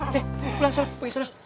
dek pulang pergi sana